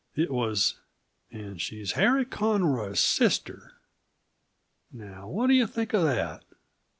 It was: "And she's Harry Conroy's sister! Now, what do you think of that?